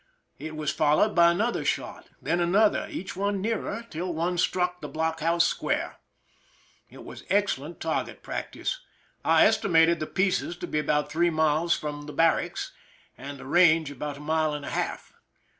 It was followed by another shot, then another, each one nearer, till one struck the blockhouse square. It was excellent target practice. I estimated the pieces to be about three miles from the barracks, and the range about a mile and a half.